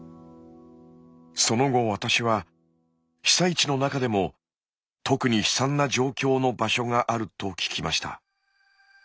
その後私は被災地の中でも特に悲惨な状況の場所があると聞きました。